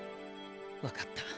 分かった。